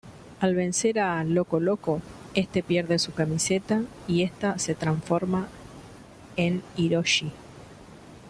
Al vencer a Loco-Loco este pierde su camiseta y esta se transforma en Hiroshi.